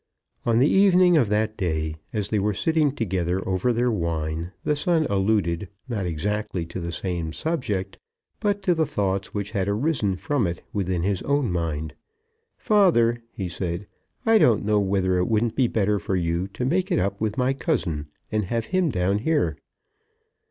On the evening of that day, as they were sitting together over their wine, the son alluded, not exactly to the same subject, but to the thoughts which had arisen from it within his own mind. "Father," he said, "I don't know whether it wouldn't be better for you to make it up with my cousin, and have him down here."